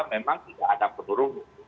memang tidak ada penurunan